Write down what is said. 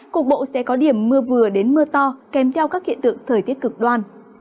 cục bộ sẽ có điểm mưa vừa đến mưa to kèm theo các hiện tượng thời tiết cực đoan